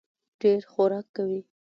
ډېر خورک کوي.